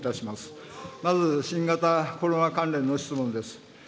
まず、新型コロナ関連の質問です。